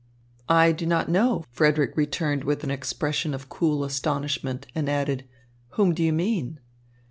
"I do not know," Frederick returned with an expression of cool astonishment, and added: "Whom do you mean?"